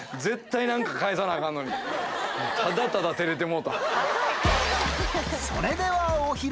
ただただ照れてもうた。